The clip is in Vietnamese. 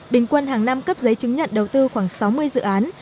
bình quân hàng năm cấp giấy chứng nhận đầu tư khoảng sáu mươi dự án